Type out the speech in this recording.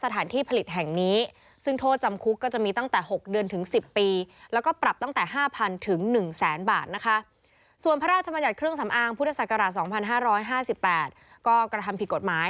ทางพุทธศักราช๒๕๕๘ก็กระทำผิดกฎหมาย